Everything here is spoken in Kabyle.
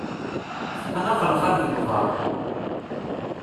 Teqqen axelxal deg uḍar.